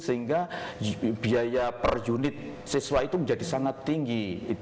sehingga biaya per unit siswa itu menjadi sangat tinggi